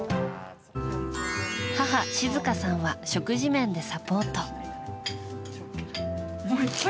母・静香さんは食事面でサポート。